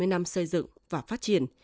bảy mươi năm xây dựng và phát triển